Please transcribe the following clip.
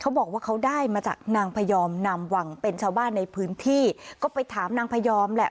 บอกว่าเขาได้มาจากนางพยอมนามวังเป็นชาวบ้านในพื้นที่ก็ไปถามนางพยอมแหละ